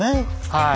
はい。